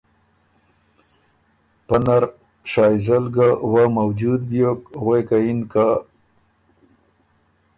پۀ نر شائزل که وۀ موجود بیوک غوېکِن که